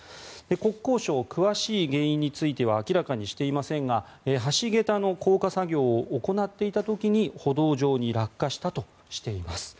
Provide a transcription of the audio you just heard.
国交省は詳しい原因については明らかにしていませんが橋桁の降下作業を行っていた時に歩道上に落下したとしています。